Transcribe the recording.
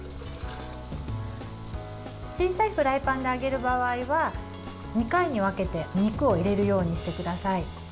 小さいフライパンで揚げる場合は２回に分けて肉を入れるようにしてください。